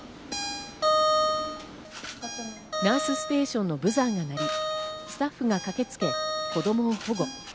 ナースステーションのブザーが鳴り、スタッフが駆けつけ、子供を保護。